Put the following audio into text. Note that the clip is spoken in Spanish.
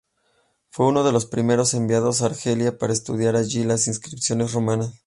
Fue uno de los primeros enviados a Argelia para estudiar allí las inscripciones romanas.